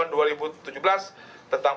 yang dianggap sebagai